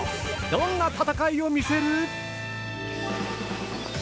どんな戦いを見せる？